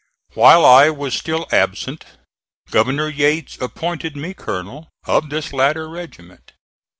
While I was still absent Governor Yates appointed me colonel of this latter regiment.